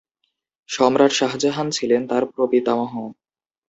সম্রাট শাহ জাহান ছিলেন তার প্রপিতামহ।